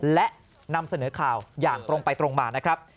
และนำเสนอข่าวอย่างตรงไปตรงมานะครับ